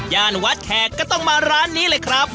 วัดแขกก็ต้องมาร้านนี้เลยครับ